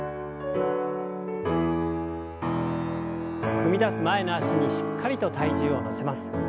踏み出す前の脚にしっかりと体重を乗せます。